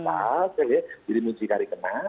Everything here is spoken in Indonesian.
asal jadi muncikari kena